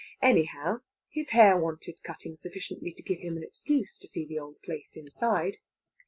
Anyhow, his hair wanted cutting sufficiently to give him an excuse to see the old place inside.